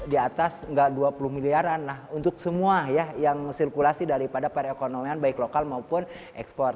di atas nggak dua puluh miliaran nah untuk semua ya yang sirkulasi daripada perekonomian baik lokal maupun ekspor